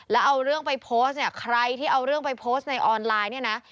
แล้วเอาเรื่องไปโพสต์เนี่ยใครที่เอาเรื่องไปโพสต์ในออนไลน์เนี่ยนะ